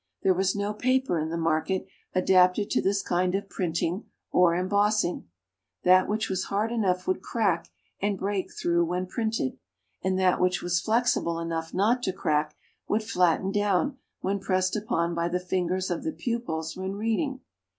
There was no paper in the market adapted to this kind of printing or embossing. That which was hard enough would crack and break through when printed; and that which was flexible enough not to crack, would flatten down when pressed upon by the fingers of the pupils when reading.